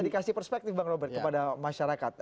dikasih perspektif bang robert kepada masyarakat